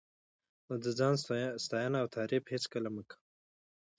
نو د ځان ستاینه او تعریف هېڅکله مه کوه.